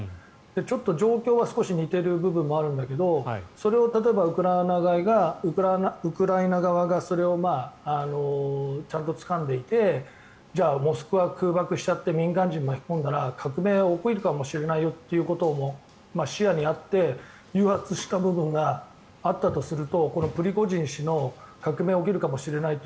ちょっと状況は少し似ている部分もあるんだけどそれを例えば、ウクライナ側がそれをちゃんとつかんでいてモスクワ、空爆しちゃって民間人を巻き込んだら革命が起きるかもしれないよということも視野にあって誘発した部分があったとするとプリゴジン氏の革命が起きるかもしれないって